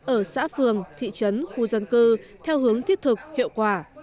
ở xã phường thị trấn khu dân cư theo hướng thiết thực hiệu quả